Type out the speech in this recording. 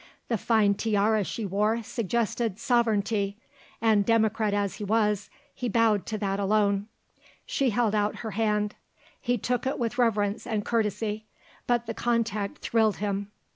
The fine tiara she wore suggested sovereignty, and democrat as he was, he bowed to that alone. She held out her hand; he took it with reverence and courtesy, but the contact thrilled him.